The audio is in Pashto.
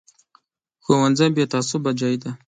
ښوونځی بې تعصبه ځای دی